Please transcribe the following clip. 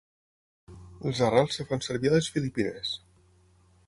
Les arrels es fan servir a les Filipines.